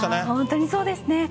本当にそうですね。